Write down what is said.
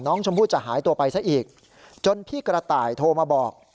น้องชมพู่จะหายตัวไปซะอีกจนพี่กระต่ายโทรมาบอก